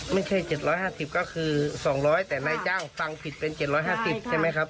ไม่ใช่๗๕๐ก็คือ๒๐๐แต่นายจ้างฟังผิดเป็น๗๕๐ใช่ไหมครับ